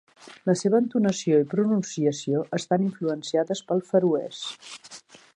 La seva entonació i pronunciació estan influenciades pel feroès.